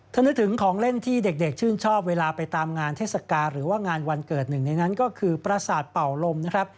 ถ้านึกถึงของเล่นที่เด็กชื่นชอบเวลาไปตามงานเทศกาลหรือว่างานวันเกิดหนึ่งในนั้นก็คือประสาทเป่าลมนะครับ